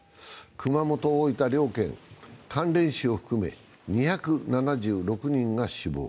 熊本・大分両県、関連死を含め２７６人が死亡。